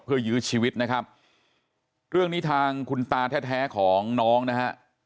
เพื่อยื้อชีวิตนะครับเรื่องนี้ทางคุณตาแท้ของน้องนะฮะ